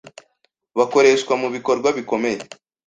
bakoreshwa mu bikorwa bikomeye